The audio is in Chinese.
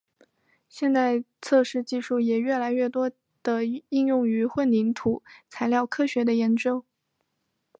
现代测试技术也越来越多地应用于混凝土材料科学的研究。